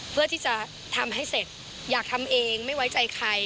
เพื่อที่จะทำให้เสร็จอยากทำเองไม่ไว้ใจใคร